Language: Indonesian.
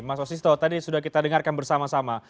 mas wasisto tadi sudah kita dengarkan bersama sama